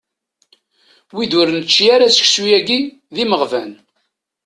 Wid ur nečči ara seksu-yagi d imeɣban.